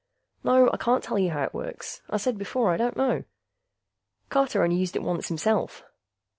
No, I can't tell you how it works I said before I don't know. Carter only used it once himself.